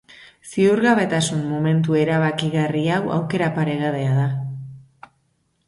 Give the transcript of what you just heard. Ziurgabetasun momentu erabakigarri hau aukera paregabea da.